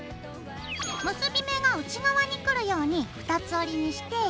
結び目が内側にくるように二つ折りにして。